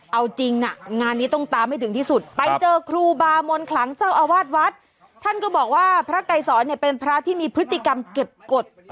เอาจริงน่ะงานนี้ต้องตามให้ถึงที่สุดไปเจอครูบามนคลังเจ้าอาวาสวัดท่านก็บอกว่าพระไกรศรเนี่ยเป็นพระที่มีพฤติกรรมเก็บกฎ